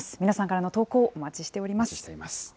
皆さんからの投稿をお待ちしております。